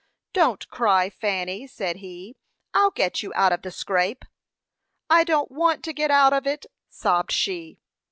"Don't cry, Fanny," said he; "I'll get you out of the scrape." "I don't want to get out of it," sobbed she.